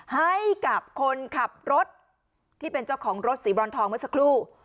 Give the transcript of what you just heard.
ให้กับคนขับรถที่เป็นเจ้าของรถสีบรอนทองเมื่อสักครู่